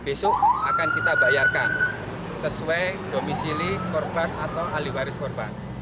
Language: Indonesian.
besok akan kita bayarkan sesuai domisili korban atau ahli waris korban